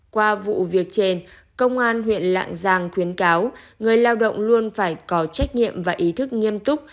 qua vụ việc trên công an huyện lạng giang khuyến cáo người lao động luôn phải có trách nhiệm và ý thức nghiêm túc